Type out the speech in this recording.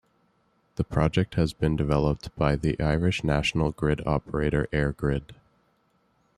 The project has been developed by the Irish national grid operator EirGrid.